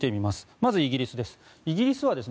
まずイギリスです。